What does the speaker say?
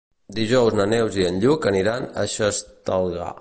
Dijous na Neus i en Lluc aniran a Xestalgar.